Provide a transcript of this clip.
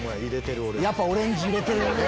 やっぱオレンジ入れてますね。